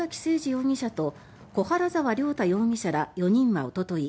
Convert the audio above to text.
容疑者と小原澤亮太容疑者ら４人はおととい